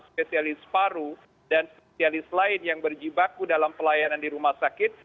spesialis paru dan spesialis lain yang berjibaku dalam pelayanan di rumah sakit